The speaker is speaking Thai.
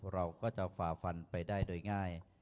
เราก็จะฝ่าฟันไปได้โดยง่าย